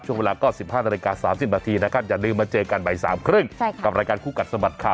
ช่วงเวลาก็สิบห้านรายการสามสิบนาทีนะครับอย่าลืมมาเจอกันใหม่สามครึ่งใช่ค่ะกับรายการคู่กัดสมบัติค่ะ